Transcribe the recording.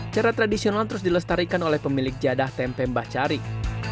cara tradisional terus dilestarikan oleh pemilik jadah tempe mbah carik